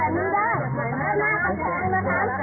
สวัสดีครับสวัสดีครับ